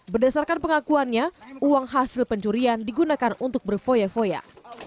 berdasarkan pengakuannya uang hasil pencurian digunakan untuk bervoya voya